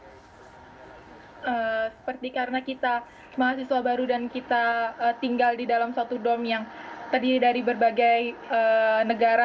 seperti karena kita mahasiswa baru dan kita tinggal di dalam suatu dom yang terdiri dari berbagai negara